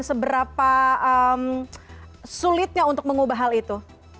seberapa sulitnya untuk mengubah hal itu